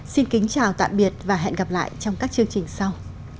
xin kính chào tạm biệt và hẹn gặp lại trong các chương trình sau